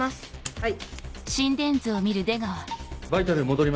はい。